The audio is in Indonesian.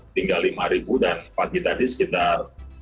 tinggal lima dan pagi tadi sekitar dua